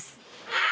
ああ！